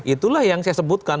itulah yang saya sebutkan